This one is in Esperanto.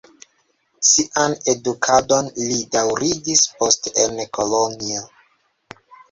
Sian edukadon li daŭrigis poste en Kolonjo.